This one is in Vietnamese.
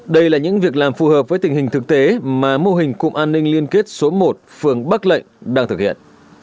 đây là những việc làm phù hợp với tình hình thực tế mà mô hình cụm an ninh liên kết số một phường bắc lệnh đang thực hiện